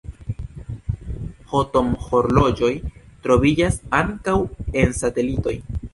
Atomhorloĝoj troviĝas ankaŭ en satelitoj.